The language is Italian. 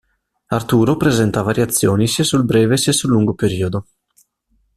Arturo presenta variazioni sia sul breve sia sul lungo periodo.